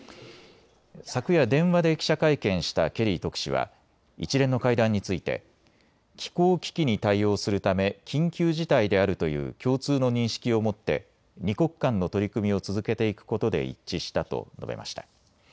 昨夜、電話で記者会見したケリー特使は一連の会談について気候危機に対応するため緊急事態であるという共通の認識を持って２国間の取り組みを続けていくことで一致したと述べました。